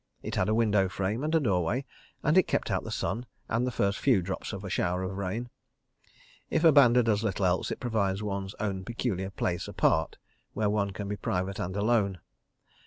It had a window frame and a doorway, and it kept out the sun and the first few drops of a shower of rain. If a banda does little else, it provides one's own peculiar place apart, where one can be private and alone.